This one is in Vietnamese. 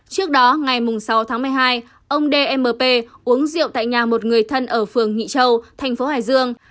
trước đó ngày sáu tháng một mươi hai ông dmp uống rượu tại nhà một người thân ở phường nghị châu thành phố hải dương